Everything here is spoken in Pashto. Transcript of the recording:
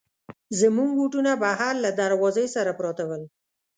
زموږ بوټونه بهر له دروازې سره پراته ول.